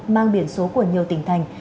mang biển số của nhiều tỉnh thành